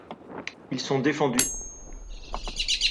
Ils sont défendus.